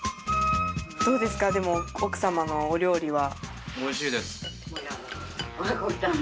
どうですかでも奥様のお料理は。